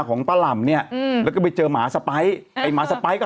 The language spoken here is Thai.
เขาบ่อยอยากจะจีบปิ๊บ